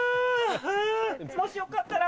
もしよかったら。